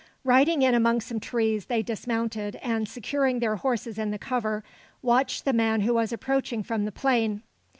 Riding in among some trees, they dismounted, and, securing their horses in the cover, watched the man who was approaching from the plain.